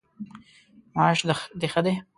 معاش د ښه دی؟